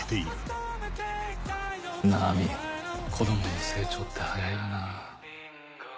なぁ亜美子供の成長って早いよな。